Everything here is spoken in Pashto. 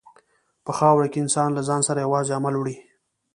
په خاوره کې انسان له ځان سره یوازې عمل وړي.